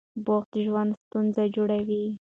بوخت ژوند ستونزه جوړوي.